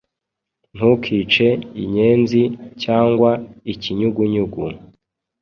Ntukice inyenzi cyangwa ikinyugunyugu,